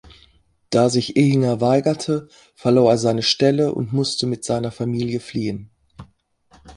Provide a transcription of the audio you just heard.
Da sich Ehinger weigerte, verlor er seine Stelle und musste mit seiner Familie fliehen.